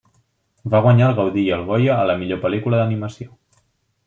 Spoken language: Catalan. Va guanyar el Gaudí i el Goya a la millor pel·lícula d'animació.